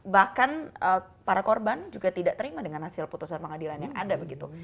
bahkan para korban juga tidak terima dengan hasil putusan pengadilan yang ada begitu